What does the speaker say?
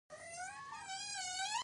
دوی د مطلق قانون د بدلېدو وړتیا لري.